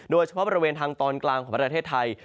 โดยเฉพาะบริเวณทางตอนกลางของประเทศไทย